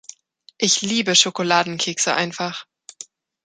Ich liebe Schokoladenkekse einfach.